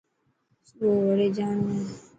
سڀو وڙي جاڻو هي.